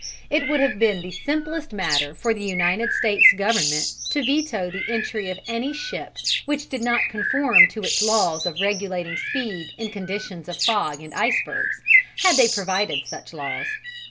It would have been the simplest matter for the United States Government to veto the entry of any ship which did not conform to its laws of regulating speed in conditions of fog and icebergs had they provided such laws.